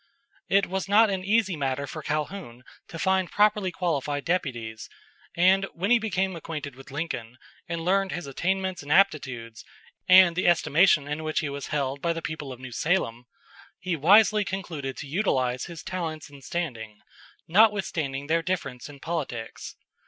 It was not an easy matter for Calhoun to find properly qualified deputies, and when he became acquainted with Lincoln, and learned his attainments and aptitudes, and the estimation in which he was held by the people of New Salem, he wisely concluded to utilize his talents and standing, notwithstanding their difference in politics.